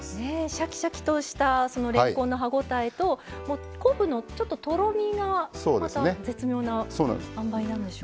シャキシャキとしたそのれんこんの歯応えと昆布のとろみがまた絶妙な塩梅なんでしょう。